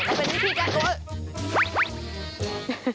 มันเป็นวิธีการโฟสต์